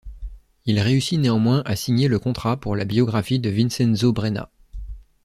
Il réussit néanmoins à signer le contrat pour la biographie de Vincenzo Brenna.